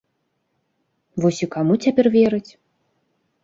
Вось і каму цяпер верыць?